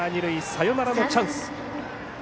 サヨナラのチャンス。